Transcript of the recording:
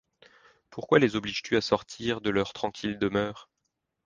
Pourquoi les obliges-tu à sortir de leurs tranquilles demeures?